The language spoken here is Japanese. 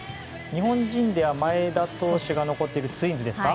日本人では前田健太投手が残っているツインズですか。